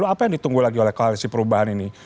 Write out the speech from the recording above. apa yang ditunggu lagi oleh koalisi perubahan ini